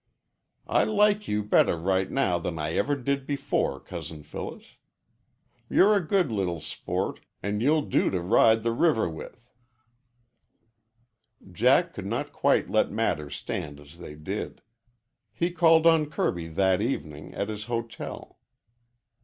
"I like you better right now than I ever did before, Cousin Phyllis. You're a good little sport an' you'll do to ride the river with." Jack could not quite let matters stand as they did. He called on Kirby that evening at his hotel.